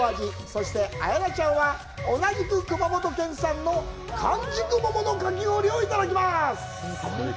そして、綾菜ちゃんは同じく熊本県産完熟桃のかき氷をいただきます。